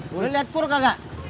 boleh liat pur kakak